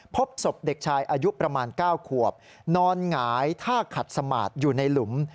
พบศพเด็กชายอายุประมาณ๙ขวบนอนหงายท่าขัดสมาธิอยู่ในหลุม